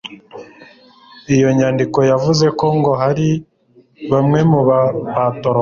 iyo nyandiko yavuze ko ngo hari bamwe mu ba patoro